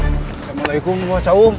assalamualaikum mas aum